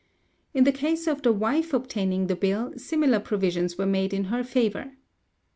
In the case of the wife obtaining the bill, similar provisions were made in her favour" (p.